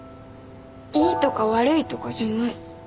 いいとか悪いとかじゃない。